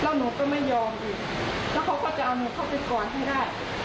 แล้วหนูก็ไม่ยอมอีกแล้วเขาก็จะเอาหนูเข้าไปก่อนให้ได้